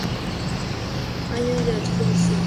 Año de adjudicación.